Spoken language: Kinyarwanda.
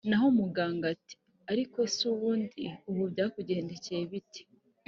noneho muganga ati ariko ese ubundi ubu byakugendekeye bite?